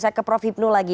saya ke prof ibnu lagi